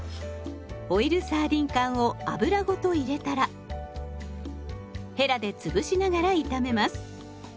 オイルサーディン缶を油ごと入れたらヘラで潰しながら炒めます。